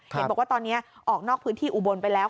เห็นบอกว่าตอนนี้ออกนอกพื้นที่อุบลไปแล้ว